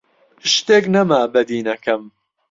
شتێک نەما بەدیی نەکەم: